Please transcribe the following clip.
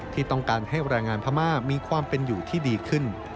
ที่ต้องการให้แรงงานพม่ามีความเป็นอยู่ที่ดีขึ้น